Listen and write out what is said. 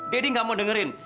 daddy nggak mau dengerin